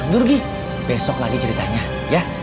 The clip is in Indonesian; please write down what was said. tunggu rugi besok lagi ceritanya ya